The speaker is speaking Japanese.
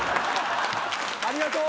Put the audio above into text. ありがとう。